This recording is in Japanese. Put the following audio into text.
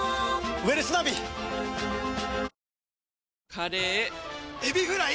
カレーエビフライ！